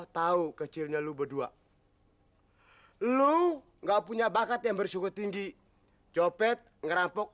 ya kalau cari rumah orang itu gampang